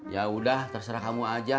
yaudah terserah kamu aja